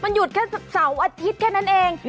หยุดแค่เสาร์อาทิตย์แค่นั้นเอง